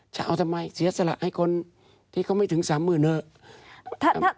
จะเอาทำไมเสียสละให้คนที่เขาไม่ถึง๓๐๐๐เถอะ